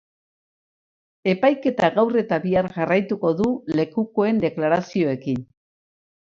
Epaiketak gaur eta bihar jarraituko du lekukoen deklarazioekin.